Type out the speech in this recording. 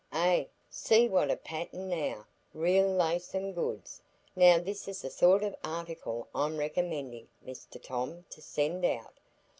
"Eh!, see what a pattern now! Real Laceham goods. Now, this is the sort o' article I'm recommendin' Mr Tom to send out.